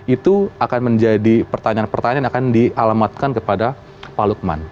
itu akan menjadi pertanyaan pertanyaan yang akan dialamatkan kepada pak lukman